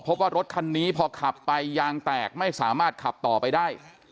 พบว่ารถคันนี้พอขับไปยางแตกไม่สามารถขับต่อไปได้